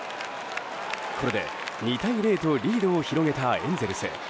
これで２対０とリードを広げたエンゼルス。